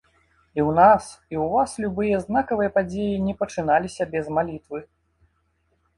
І ў нас, і ў вас любыя знакавыя падзеі не пачыналіся без малітвы.